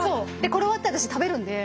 これ終わったら私食べるんで。